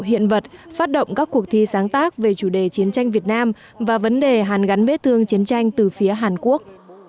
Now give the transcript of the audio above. hiện vật phát động các cuộc thi sáng tác về chủ đề chiến tranh việt nam và vấn đề hàn gắn vết thương chiến tranh từ phía hàn quốc